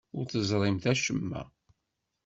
Ur teẓrimt acemma.